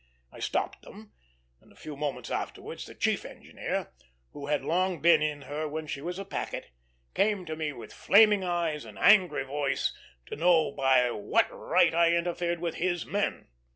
I stopped them; and a few moments afterwards the chief engineer, who had long been in her when she was a packet, came to me with flaming eyes and angry voice to know by what right I interfered with his men.